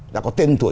đã có tiên tuổi